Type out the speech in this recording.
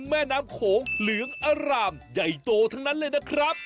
แม่น้ำโขงเหลืองอร่ามใหญ่โตทั้งนั้นเลยนะครับ